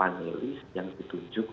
panelis yang ditunjuk